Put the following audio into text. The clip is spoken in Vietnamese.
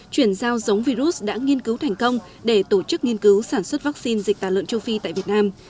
chuyển giao giống virus đã nghiên cứu thành công để tổ chức nghiên cứu sản xuất vaccine dịch tả lợn châu phi tại việt nam